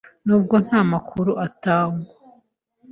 Nubwo nta makuru atangwa